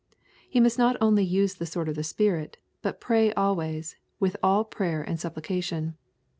He must not only use the sword of the Spirit, but pray al ways, with all prayer and supplication.